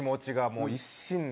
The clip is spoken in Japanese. もう一心で。